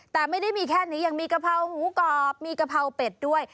แต่ไม่ได้มีแค่นี้ยังมีกะเพราหมูกรอบมีกะเพราเป็ดด้วย